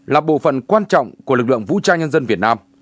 là bộ phần quan trọng của lực lượng vũ trang nhân dân